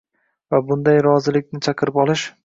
va bunday rozilikni chaqirib olish